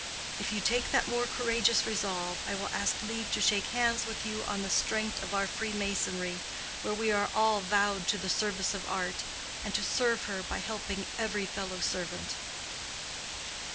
If you take that more courageous resolve I will ask leave to shake hands with you on the strength of our freemasonry, where we are all vowed to the service of art, and to serve her by helping every fellow servant."